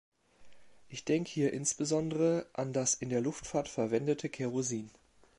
Ich denke hier insbesondere an das in der Luftfahrt verwendete Kerosin.